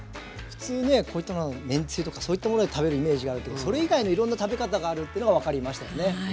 普通ねめんつゆとかそういったもので食べるイメージがあるけどそれ以外のいろんな食べ方があるというのが分かりましたね。